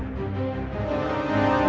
ya aku harus berhasil